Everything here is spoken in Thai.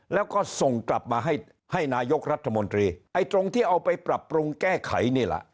แล้วก็ส่งกลับมาให้ให้นายกรัฐมนตรีไอ้ตรงที่เอาไปปรับปรุงแก้ไขนี่แหละ